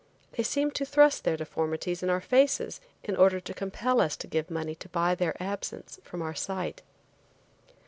They seemed to thrust their deformities in our faces in order to compel us to give money to buy their absence from our sight.